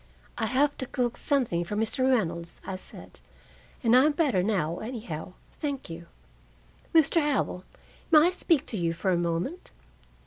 "I have to cook something for Mr. Reynolds," I said, "and I'm better now, anyhow, thank you. Mr. Howell, may I speak to you for a moment?"